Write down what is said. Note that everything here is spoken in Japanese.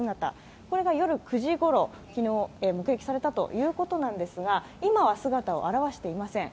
これが夜９時ごろ、昨日目撃されたということなんですが、今は姿を現していません。